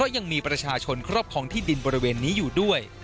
ยังมีประชาชนครอบครองที่ดินบริเวณนี้อยู่ด้วย